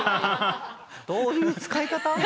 どういう使い方？